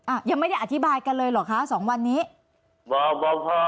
อ่ะยังไม่ได้อธิบายกันเลยเหรอคะสองวันนี้